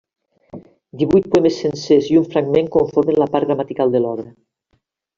Divuit poemes sencers i un fragment conformen la part gramatical de l'obra.